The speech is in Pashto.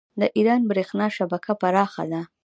د ایران بریښنا شبکه پراخه ده.